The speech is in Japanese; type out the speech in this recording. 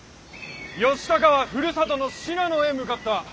義高はふるさとの信濃へ向かった。